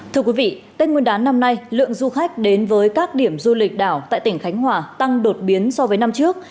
thưa quý vị tết nguyên đán năm nay lượng du khách đến với các điểm du lịch đảo tại tỉnh khánh hòa tăng đột biến so với năm trước